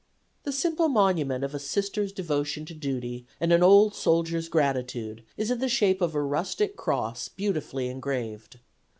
The simple monument of a Sister's devotion to duty and an old soldier's gratitude is in the shape of a rustic cross beautifully engraved.